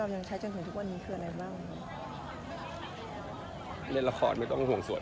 ยังใช้จนถึงทุกวันนี้คืออะไรบ้างเล่นละครไม่ต้องห่วงสวด